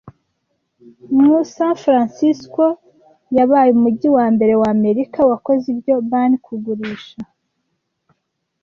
Mu , San Francisco yabaye umujyi wa mbere w’Amerika wakoze ibyo Ban kugurisha